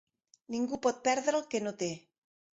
Ningú pot perdre el que no té.